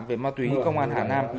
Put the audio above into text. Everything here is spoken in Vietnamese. về ma túy công an hà nam